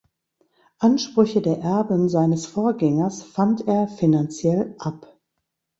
Ansprüche der Erben seines Vorgängers fand er finanziell ab.